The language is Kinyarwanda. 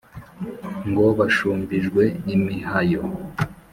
ngo bashumbijwe imihayo.